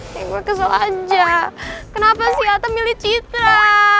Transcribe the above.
kayak gue kesel aja kenapa si ata milih citra